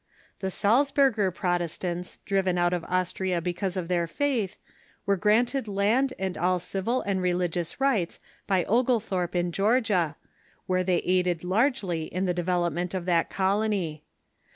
The Salzburger Protestants, driven out of Austria because of their faith, were granted land and all civil and religious rights by Oglethorpe in Georgia, where they aided largely in the development of that colony.